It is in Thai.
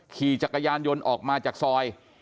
ขี่จักรยานยนต์ออกมาจากซอย